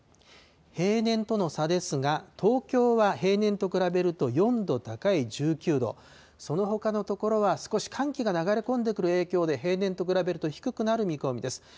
平年との差ですが、東京は平年と比べると４度高い１９度、そのほかの所は少し寒気が流れ込んでくる影響で、平年と比べると低くなる見込みです。